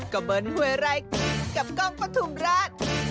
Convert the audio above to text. กองเฮวไรกับกองประทุมราช